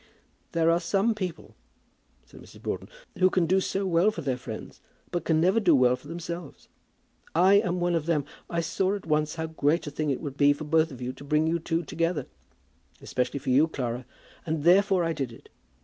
"There are some people," said Mrs. Broughton, "who can do well for their friends, but can never do well for themselves. I am one of them. I saw at once how great a thing it would be for both of you to bring you two together, especially for you, Clara; and therefore I did it.